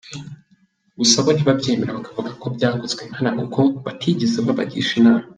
Gusa bo ntibabyemera, bakavuga ko byakozwe nkana kuko ngo batigeze babagisha inama.